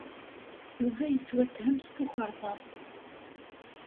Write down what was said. Yuba yettwatthem s tukerḍa.